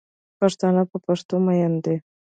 پښتانه په پښتو میین دی